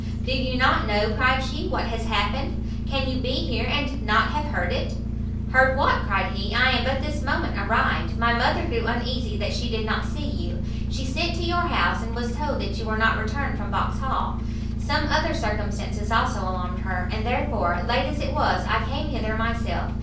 "Do you not know," cried she, "what has happened? Can you be here and not have heard it?" "Heard what?" cried he, "I am but this moment arrived; my mother grew uneasy that she did not see you, she sent to your house, and was told that you were not returned from Vauxhall; some other circumstances also alarmed her, and therefore, late as it was, I came hither myself.